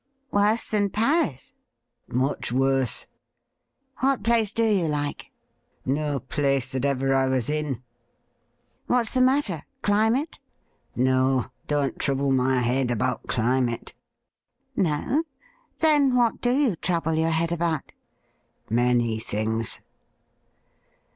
' Worse than Paris ?'' Much worse.' ' What place do you like ?'' No place that ever I was in.' 74 THE RIDDLE RING ' What's the matter ? Climate ?'' No ; don't trouble my head about climate.' ' No ? Then what do you trouble your head about ?'' Many things.'